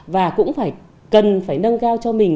và cũng phải cần phải nâng cao cho người khác